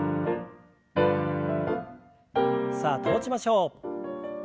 さあ保ちましょう。